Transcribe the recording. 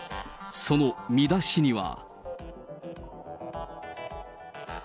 その見出しには。